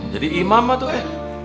jadi imam mah tuh eh